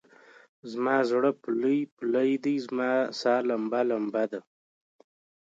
زما زړه پولۍ پولی دی، زما سا لمبه لمبه ده